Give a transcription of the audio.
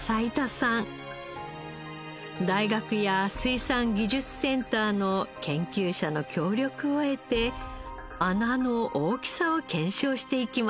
大学や水産技術センターの研究者の協力を得て穴の大きさを検証していきました。